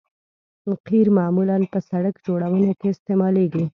قیر معمولاً په سرک جوړونه کې استعمالیږي